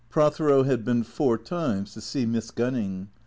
Prothero had been four times to see Miss Gunning.